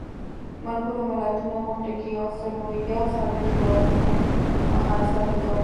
ملګرو ملتونو غونډې کې یو سلو یو څلویښت هیوادونو مخالفت وکړ.